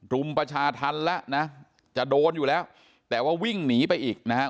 รุมประชาธรรมแล้วนะจะโดนอยู่แล้วแต่ว่าวิ่งหนีไปอีกนะครับ